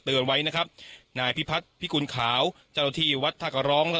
เตือนไว้นะครับนายพิพัทพิคุณขาวจรทีวัดทักะร้อง